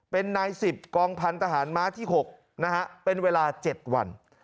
เป็นนาย๑๐กองพันธหารม้าที่๖นะฮะเป็นเวลา๗วัน